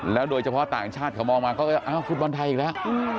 โดยเฉพาะต่างชาติเขามองมาเขาก็อ้าวฟุตบอลไทยอีกแล้ว